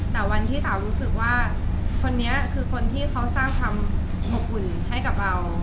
แต่วันที่สาวรู้สึกว่าคนนี้คือคนที่เขาสร้างความอบอุ่นให้กับเรา